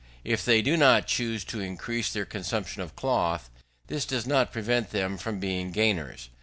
If they do not choose to increase their consumption of cloth, this does not prevent them from being gainers.